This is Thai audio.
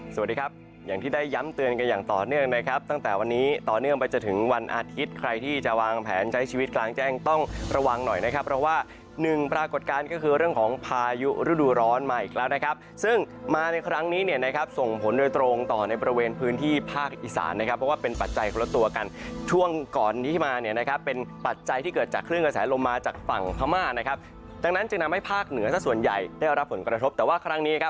สวัสดีครับอย่างที่ได้ย้ำเตือนกันอย่างต่อเนื่องนะครับตั้งแต่วันนี้ต่อเนื่องไปจะถึงวันอาทิตย์ใครที่จะวางแผนใช้ชีวิตกลางแจ้งต้องระวังหน่อยนะครับเพราะว่าหนึ่งปรากฏการณ์ก็คือเรื่องของพายุฤดูร้อนมาอีกแล้วนะครับซึ่งมาในครั้งนี้เนี่ยนะครับส่งผลโดยตรงต่อในประเวณพื้นที่ภาคอิสานนะครับเพราะ